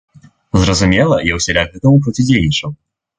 Зразумела, я ўсяляк гэтаму процідзейнічаў.